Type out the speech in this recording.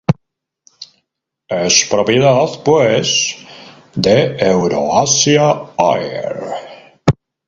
Es propiedad, pues, de Euro-Asia Air.